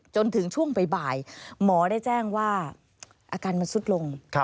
จนถึงช่วงบ่ายหมอได้แจ้งว่าอาการมันสุดลง